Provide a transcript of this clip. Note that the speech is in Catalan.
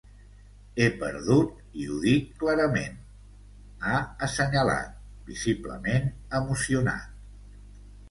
He perdut, i ho dic clarament, ha assenyalat, visiblement emocionat.